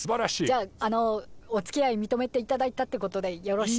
じゃああのおつきあい認めていただいたってことでよろしいで。